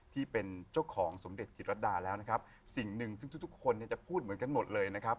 ที่เป็นเจ้าของสมเด็จจิตรดาแล้วนะครับสิ่งหนึ่งซึ่งทุกทุกคนเนี่ยจะพูดเหมือนกันหมดเลยนะครับ